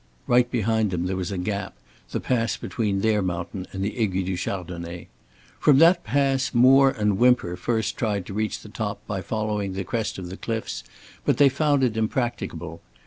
Right behind them there was a gap, the pass between their mountain and the Aiguille du Chardonnet. "From that pass Moore and Whymper first tried to reach the top by following the crest of the cliffs, but they found it impracticable.